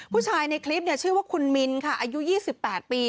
ผู้ชายในคลิปชื่อว่าคุณมินค่ะอายุ๒๘ปี